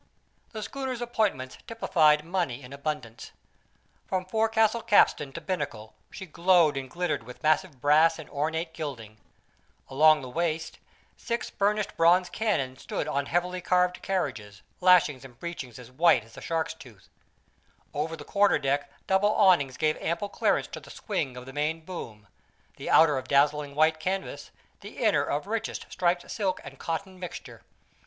The schooner's appointments typified money in abundance. From forecastle capstan to binnacle she glowed and glittered with massive brass and ornate gilding; along the waist six burnished bronze cannon stood on heavily carved carriages, lashings and breechings as white as a shark's tooth; over the quarter deck double awnings gave ample clearance to the swing of the main boom the outer of dazzling white canvas, the inner of richest, striped silk and cotton mixture.